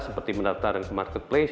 seperti mendatar ke marketplace